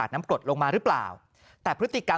อารมณ์ไม่ดีเพราะว่าอะไรฮะ